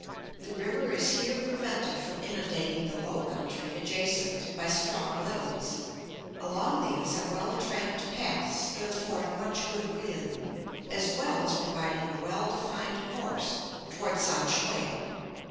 The river is here prevented from inundating the low country adjacent by strong levees; along these are well tramped paths that afford much good wheeling, as well as providing a well defined course toward Sam shue.